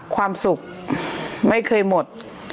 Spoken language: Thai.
ความสุขไม่เคยหมด